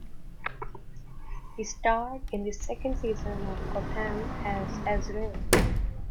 He starred in the second season of "Gotham" as Azrael.